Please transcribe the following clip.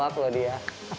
bisa jawab loh dia